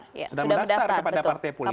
sudah mendaftar kepada partai politik